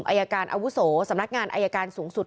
อายการอาวุโสสำนักงานอายการสูงสุด